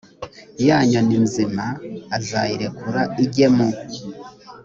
ya nyoni nzima azayirekure ijye mu